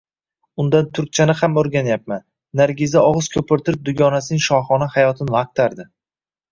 Undan turkchani ham o`rganyapman, Nargiza og`iz ko`pirtirib dugonasining shohona hayotini maqtardi